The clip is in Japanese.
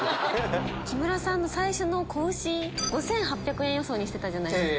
木村さんの最初の子牛５８００円予想じゃないですか。